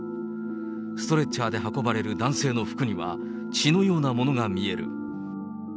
ストレッチャーで運ばれる男性の服には、血のようなものが見える。